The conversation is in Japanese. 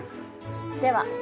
では。